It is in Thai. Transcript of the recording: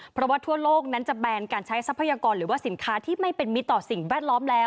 เพราะว่าทั่วโลกนั้นจะแบนการใช้ทรัพยากรหรือว่าสินค้าที่ไม่เป็นมิตรต่อสิ่งแวดล้อมแล้ว